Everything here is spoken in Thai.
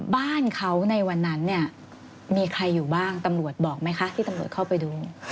บ้านเขาในวันนั้นเนี่ยมีใครอยู่บ้างตำรวจบอกไหมคะที่ตำรวจเข้าไปดู